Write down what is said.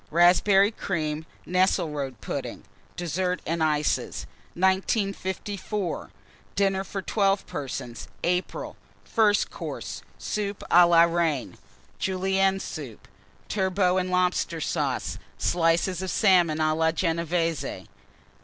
Raspberry Cream. Nesselrode Pudding. DESSERT AND ICES. 1954. DINNER FOR 12 PERSONS (April). FIRST COURSE. Soup à la Reine. Julienne Soup. Turbot and Lobster Sauce. Slices of Salmon a la Genévése.